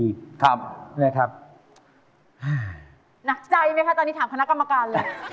หนักใจไหมคะตอนนี้ถามคณะกรรมการเลย